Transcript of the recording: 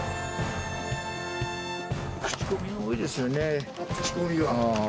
口コミが多いですよね。